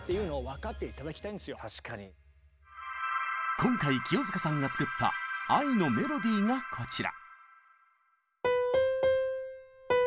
今回清塚さんが作った「愛のメロディー」がこちら。